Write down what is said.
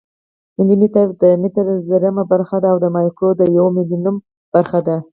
ملي متر د متر زرمه برخه ده او مایکرو د یو میلیونمه برخه ده.